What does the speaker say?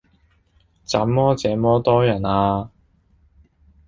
怎麼這麼多人呀？